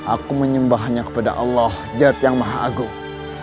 aku menyembah hanya kepada allah jad yang maha agung